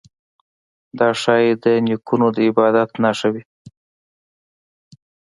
دا ښايي د نیکونو د عبادت نښه وي.